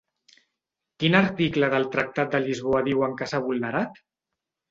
Quin article del tractat de Lisboa diuen que s'ha vulnerat?